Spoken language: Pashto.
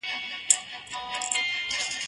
زه به اوږده موده موبایل کار کړی وم!؟